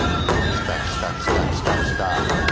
来た来た来た来た来た。